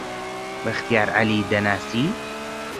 بەختیار عەلی دەناسی؟